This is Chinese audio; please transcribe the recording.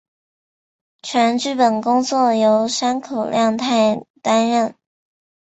全剧本工作由山口亮太担任。